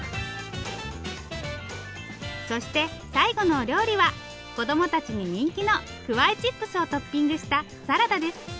そして最後のお料理は子供たちに人気のくわいチップスをトッピングしたサラダです。